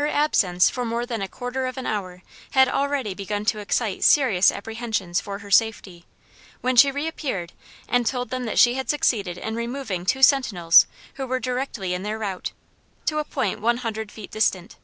Her absence for more than a quarter of an hour had already begun to excite serious apprehensions for her safety, when she reappeared and told them that she had succeeded in removing two sentinels who were directly in their route, to a point one hundred feet distant.